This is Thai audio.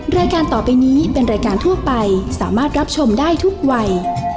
รายการต่อไปนี้เป็นรายการทั่วไปสามารถรับชมได้ทุกวัย